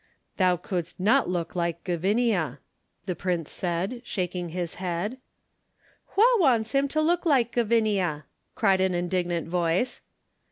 "Thou couldst not look like Gavinia," the prince said, shaking his head. "Wha wants him to look like Gavinia?" cried an indignant voice.